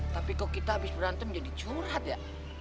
tapi kok kita habis berantem jadi curhat ya